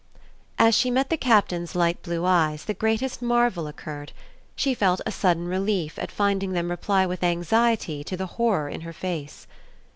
XVI As she met the Captain's light blue eyes the greatest marvel occurred; she felt a sudden relief at finding them reply with anxiety to the horror in her face.